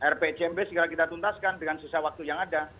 rpcmb segera kita tuntaskan dengan sisa waktu yang ada